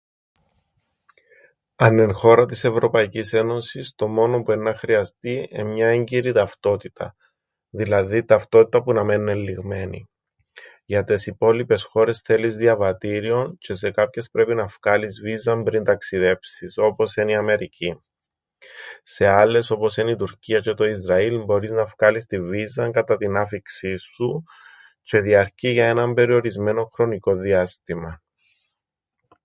Αν εν' χώρα της Ευρωπαϊκής Ένωσης, το μόνον που εννά χρειαστεί εν' μια έγκυρη ταυτότητα. Δηλαδή, ταυτότητα που να μέννεν' ληγμένη. Για τες υπόλοιπες χώρες θέλεις διαβατήριον, τζ̆αι για κάποιες πρέπει να φκάλεις βίζαν πριν ταξιδέψεις, όπως εν' η Αμερική. Σε άλλες όπως εν' η Τουρκία τζ̆αι το Ισραήλ μπορείς να φκάλεις την βίζαν κατά την άφιξην σου τζ̆αι διαρκεί για έναν περιορισμένον χρονικόν διάστημαν.